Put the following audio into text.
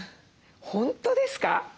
本当ですか？